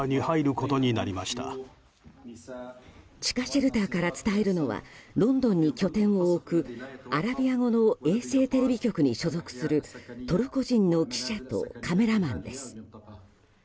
地下シェルターから伝えるのはロンドンに拠点を置くアラビア語の衛星テレビ局に所属するトルコ人の記者とカメラマンです。